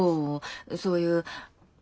そういう。